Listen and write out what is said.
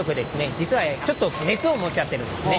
実はちょっと熱を持っちゃってるんですね。